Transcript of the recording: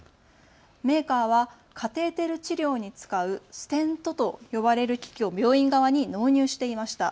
メーカーはカテーテル治療に使うステントと呼ばれる機器を病院側に納入していました。